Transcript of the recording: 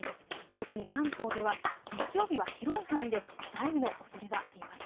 特に関東では日曜日は広い範囲で雷雨のおそれがあります。